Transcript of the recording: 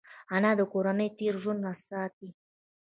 انا د کورنۍ تېر ژوند ساتي